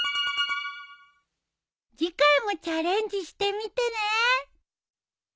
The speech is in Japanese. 次回もチャレンジしてみてね。